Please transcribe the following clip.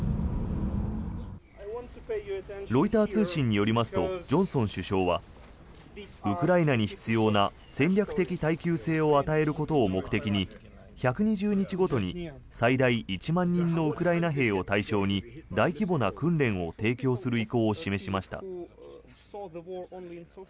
ロイター通信によりますとジョンソン首相はウクライナに必要な戦略的耐久性を与えることを目的に１２０日ごとに最大１万人のウクライナ兵を対象に大規模な訓練を提供する意向を示しました。